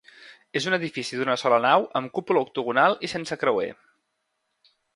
És un edifici d'una sola nau, amb cúpula octogonal i sense creuer.